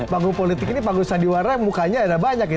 panggung politik ini panggung sandiwara mukanya ada banyak ya